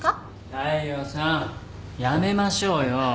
大陽さんやめましょうよ。